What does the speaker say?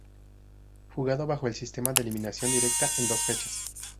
Jugado bajo el sistema de eliminación directa en dos fechas.